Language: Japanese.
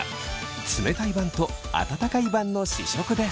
冷たい版と温かい版の試食です。